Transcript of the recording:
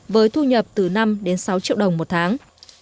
với thu nhập từ năm đến sáu triệu đồng một tháng